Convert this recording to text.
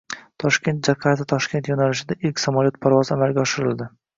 “Toshkent-Jakarta-Toshkent” yo‘nalishida ilk samoliyot parvozi amalga oshirildi